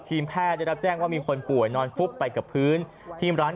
แพทย์ได้รับแจ้งว่ามีคนป่วยนอนฟุบไปกับพื้นที่ร้าน